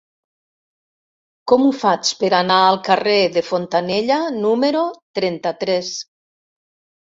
Com ho faig per anar al carrer de Fontanella número trenta-tres?